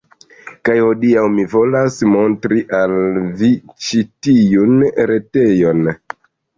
Kaj hodiaŭ mi volas montri al vi ĉi tiun retejon